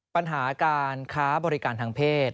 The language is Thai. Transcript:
ปัญหาการค้าบริการทางเพศ